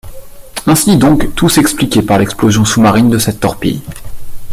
Ainsi donc, tout s’expliquait par l’explosion sous-marine de cette torpille